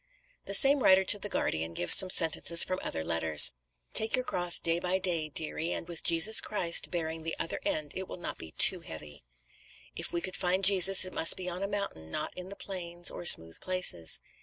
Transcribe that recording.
The same writer to the Guardian gives some sentences from other letters: "Take your cross day by day, dearie, and with Jesus Christ bearing the other end it will not be too heavy." "If we could find Jesus, it must be on a mountain, not in the plains or smooth places."